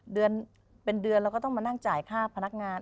เดือนเป็นเดือนเราก็ต้องมานั่งจ่ายค่าพนักงาน